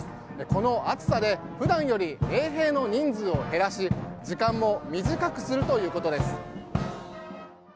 この暑さで普段より衛兵の人数を減らし時間も短くするということです。